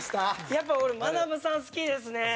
やっぱ俺まなぶさん好きですね。